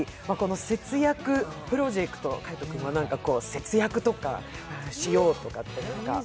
節約プロジェクト、海音君は、節約とかしようとか？